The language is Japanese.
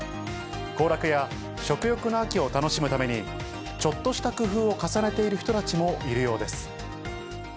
行楽や食欲の秋を楽しむために、ちょっとした工夫を重ねている人たちもいるようです。